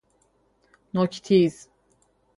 نوک تیز